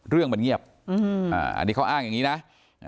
เรื่องมันเงียบอืออ่าอันนี้เขาอ้างอย่างงี้นะอ่า